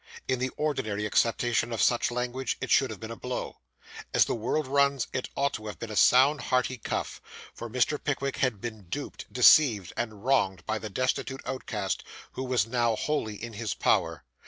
In the ordinary acceptation of such language, it should have been a blow. As the world runs, it ought to have been a sound, hearty cuff; for Mr. Pickwick had been duped, deceived, and wronged by the destitute outcast who was now wholly in his power.